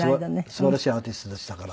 すばらしいアーティストでしたから。